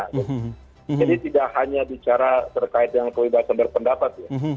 jadi tidak hanya bicara terkait dengan kebebasan berpendapat ya